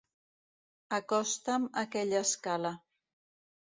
Acosta'm aquella escala.